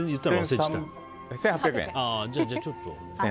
１８００円と。